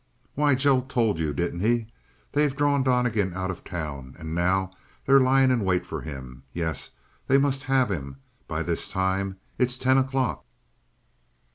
"Why, Joe told you, didn't he? They've drawn Donnegan out of town, and now they're lying in wait for him. Yes, they must have him, by this time. It's ten o'clock!"